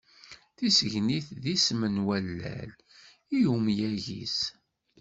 Tisegnit d isem n wallal, i umyag-is?